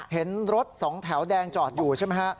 เห็นรถสองแถวแดงจอดอยู่ใช่ไหมฮะ